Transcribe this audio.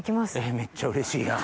めっちゃうれしいな。